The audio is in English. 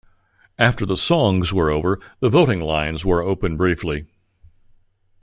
After the songs were over, the voting lines were open briefly.